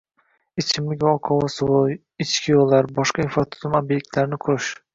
Ichimlik va oqova suvi, ichki yo‘llar, boshqa infratuzilma obyektlarini qurish